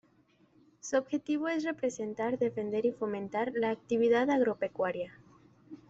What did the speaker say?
Su objetivo es representar, defender y fomentar la actividad agropecuaria.